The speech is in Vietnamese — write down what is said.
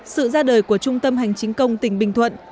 sự ra đời của trung tâm hành chính công tỉnh bình thuận